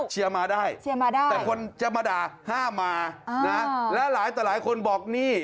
เชียร์มาได้เชียร์มาได้แต่คนจะมาด่าห้ามมานะแล้วหลายต่อหลายคนบอกนี่